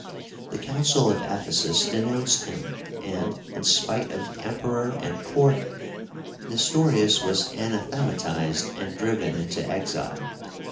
The Council of Ephesus denounced him, and, in spite of the emperor and court, Nestorius was anathematized and driven into exile.